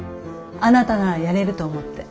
あなたならやれると思って。